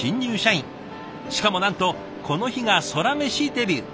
しかもなんとこの日がソラメシデビュー。